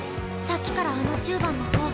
さっきからあの１０番の子。